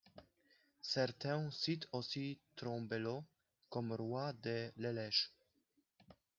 Certain cite aussi Trambélos comme roi des Lélèges.